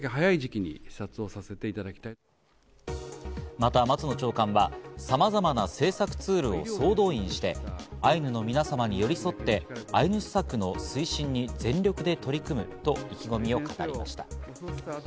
また松野長官は、さまざまな政策ツールを総動員して、アイヌの皆様に寄り添ったアイヌ施策の推進に全力で取り組むと意気込みを語りました。